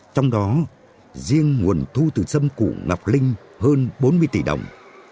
trong đó riêng nguồn thu từ xâm củ ngọc linh hơn bốn mươi tỷ đồng